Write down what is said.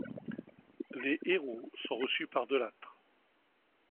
Les héros sont reçus par de Lattre.